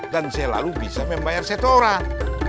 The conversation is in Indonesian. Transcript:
dan selalu bisa membayar setoran